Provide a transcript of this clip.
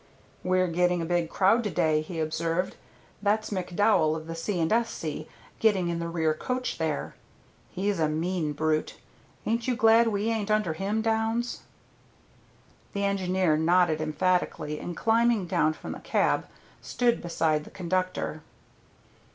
"We're getting a big crowd to day," he observed. "That's McDowell of the C. & S.C. getting in the rear coach there. He's a mean brute. Ain't you glad we ain't under him, Downs?" The engineer nodded emphatically, and climbing down from the cab, stood beside the conductor.